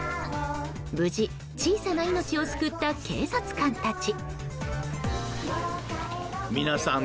無事、小さな命を救った警察官たち。